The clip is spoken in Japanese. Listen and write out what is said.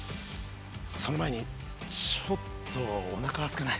その前にちょっとおなかすかない？